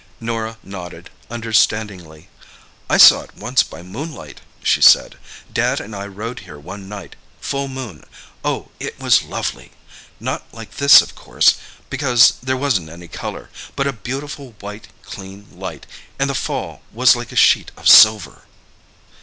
Norah nodded understandingly. "I saw it once by moonlight," she said. "Dad and I rode here one night—full moon. Oh, it was lovely! Not like this, of course, because there wasn't any colour—but a beautiful white, clean light, and the fall was like a sheet of silver."